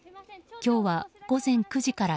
今日は午前９時から